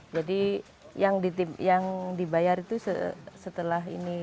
jadi yang dibayar itu setelah ini